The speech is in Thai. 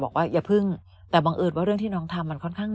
อย่าพึ่งแต่บังเอิญว่าเรื่องที่น้องทำมันค่อนข้าง